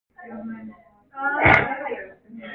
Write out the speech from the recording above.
그 중에 그의 와이샤쓰가 얼핏 눈에 띄었다.